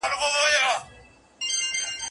استاد د څيړني پرمختګ څنګه څاري؟